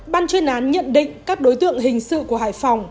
ban chuyên án nhận định các đối tượng hình sự của hải phòng